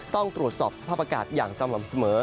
ต้องตรวจสอบสภาพอากาศอย่างสม่ำเสมอ